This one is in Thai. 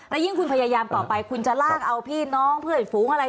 และยิ่งคุณพยายามต่อไปคุณจะลากเอาพี่น้องเพื่อนฝูงอะไร